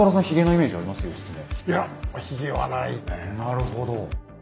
なるほど。